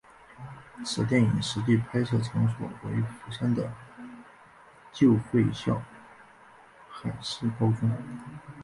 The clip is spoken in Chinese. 此电影实际拍摄场景为釜山的旧废校海事高中。